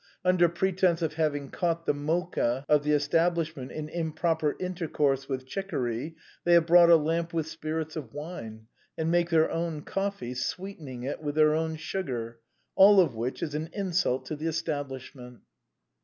Under pretence of having caught the mocha of the estab lishment in improper intercourse with chicory, they have brought a lamp with spirits of wine, and make their own coffee, sweetening it with their ovm sugar; all of which is an insult to the establishment.